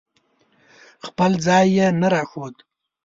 خپل ځای یې نه راښوده.